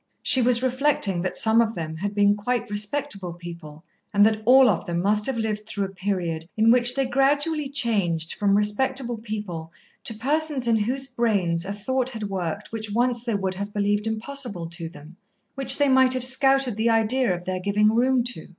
She was reflecting that some of them had been quite respectable people, and that all of them must have lived through a period in which they gradually changed from respectable people to persons in whose brains a thought had worked which once they would have believed impossible to them, which they might have scouted the idea of their giving room to.